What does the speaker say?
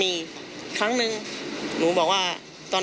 ถ้าเขาถูกจับคุณอย่าลืม